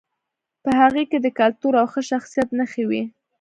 په هغې کې د کلتور او ښه شخصیت نښې وې